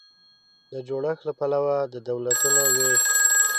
د جوړښت له پلوه د دولتونو وېش